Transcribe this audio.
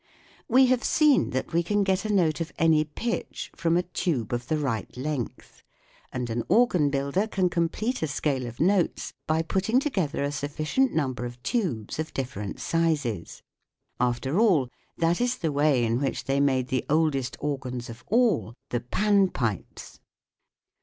We have seen that we can get a note of any pitch from a tube of the right length ; and an organ builder can complete a scale of notes by putting together a sufficient number of tubes of different sizes. After all, that is the way in which they made the oldest organs of all, the Pan pipes.